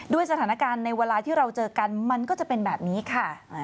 สถานการณ์ในเวลาที่เราเจอกันมันก็จะเป็นแบบนี้ค่ะ